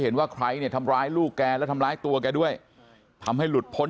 เห็นว่าใครเนี่ยทำร้ายลูกแกและทำร้ายตัวแกด้วยทำให้หลุดพ้น